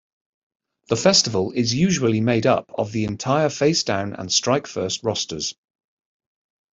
The festival is usually made up of the entire Facedown and Strike First rosters.